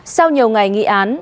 sau nhiều ngày nghị án